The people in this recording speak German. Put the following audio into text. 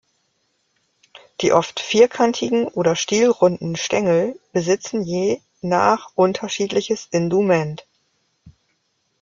Die oft vierkantigen oder stielrunden Stängel besitzen je nach unterschiedliches Indument.